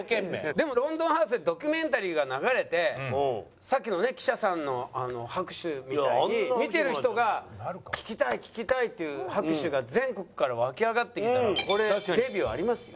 でも『ロンドンハーツ』でドキュメンタリーが流れてさっきのね記者さんの拍手みたいに見てる人が聴きたい聴きたいっていう拍手が全国から湧き上がってきたらこれデビューありますよ。